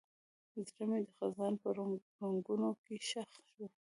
زړه مې د خزان په رنګونو کې ښخ شو.